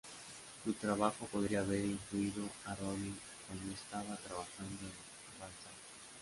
Su trabajo podría haber influido a Rodin cuando estaba trabajando en su "Balzac".